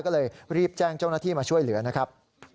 ก็เลยรีบแจ้งเจ้าหน้าที่มาช่วยเหลือนะครับ